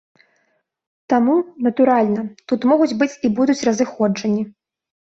Таму, натуральна, тут могуць быць і будуць разыходжанні.